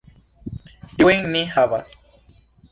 Tiujn ni havas.